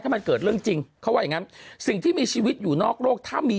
ถ้ามันเกิดเรื่องจริงเขาว่าอย่างงั้นสิ่งที่มีชีวิตอยู่นอกโลกถ้ามี